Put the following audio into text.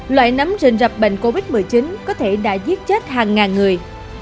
loại nấm rình rập bệnh covid một mươi chín có thể đã giết chết hàng ngàn người